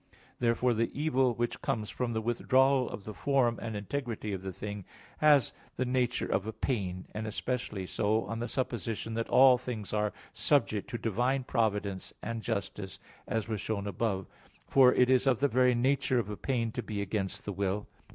Therefore the evil which comes from the withdrawal of the form and integrity of the thing, has the nature of a pain; and especially so on the supposition that all things are subject to divine providence and justice, as was shown above (Q. 22, A. 2); for it is of the very nature of a pain to be against the will.